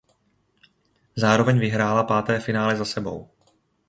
Zároveň vyhrála páté finále za sebou.